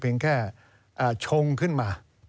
เพียงแค่ชงขึ้นมา